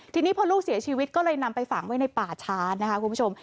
ทีนี้พอลูกเสียชีวิตก็เลยนำไปฝังไว้ในป่าช้านะคะคุณผู้ชม